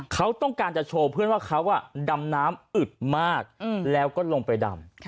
เขาต้องการจะโชว์เพื่อนว่าเขาดำน้ำอึดมากแล้วก็ลงไปดำ